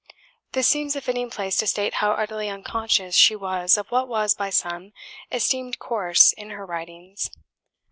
This seems a fitting place to state how utterly unconscious she was of what was, by some, esteemed coarse in her writings.